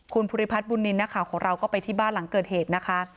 คุณภูริพัฒน์บุญนินทร์นักข่าวของเราก็ไปที่บ้านหลังเกิดเหตุนะคะ